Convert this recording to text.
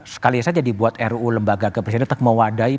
sekali saja dibuat ruu lembaga ke presiden tetap mewadai